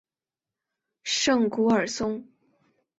圣古尔松。